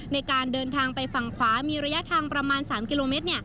ในการเดินทางไปฝั่งขวามีระยะทางประมาณ๓กิโลเมตร